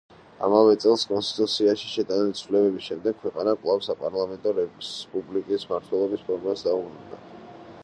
ამავე წელს კონსტიტუციაში შეტანილი ცვლილების შემდეგ ქვეყანა კვლავ საპარლამენტო რესპუბლიკის მმართველობის ფორმას დაუბრუნდა.